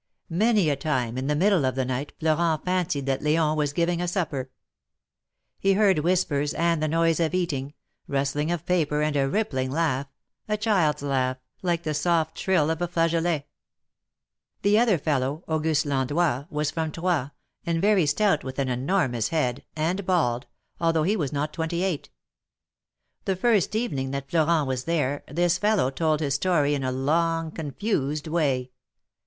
Many a time, in the middle of the night, Florent fancied that L6on was giving a supper. He heard whispers and the noise of eating — rustling of paper and a rippling laugh — a child's laugh, like the soft trill of a flageolet. The other fellow, Auguste Landois, was from Troyes, and very stout, with an enormous head, and bald, although he was not twenty eight. The first evening that Florent was there, this fellow told his story in a long, confused way.